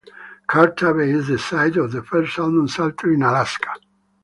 Karta Bay is the site of the first salmon saltery in Alaska.